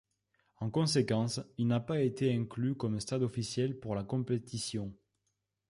En conséquence, il n'a pas été inclus comme stade officiel pour la compétition.